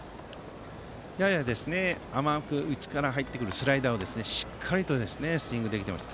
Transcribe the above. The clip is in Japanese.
やや甘く内から入ってくるスライダーをしっかりとスイングできています。